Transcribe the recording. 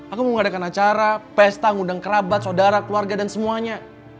aku mau mengadakan acara pesta ngundang kerabat saudara keluarga dan semuanya